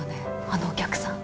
あのお客さん。